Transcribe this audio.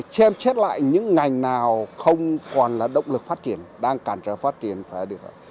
phải chêm chết lại những ngành nào không còn là động lực phát triển đang cản trở phát triển phải được